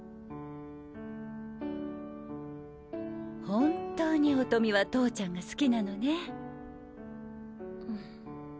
本当に音美は投ちゃんが好きなのね。